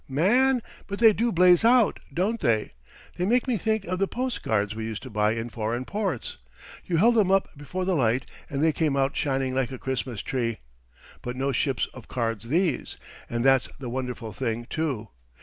"Man, but they do blaze out, don't they? They make me think of the post cards we used to buy in foreign ports. You held them up before the light and they came out shining like a Christmas tree. But no ships of cards these and that's the wonderful thing, too.